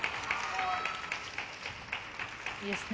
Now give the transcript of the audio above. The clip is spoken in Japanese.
いいですね。